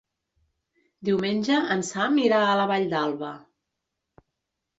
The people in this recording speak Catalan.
Diumenge en Sam irà a la Vall d'Alba.